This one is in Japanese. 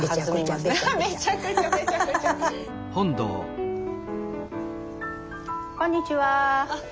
あっこんにちは。